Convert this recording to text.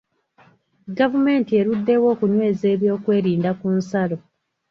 Gavumenti eruddewo okunyweza ebyokwerinda ku nsalo.